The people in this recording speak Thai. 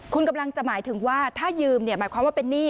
คุณกำลังจะหมายถึงว่าถ้ายืมหมายความว่าเป็นหนี้